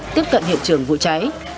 tiếp cận hiện trường vụ cháy